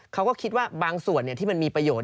เขาก็คิดว่าบางส่วนที่มันมีประโยชน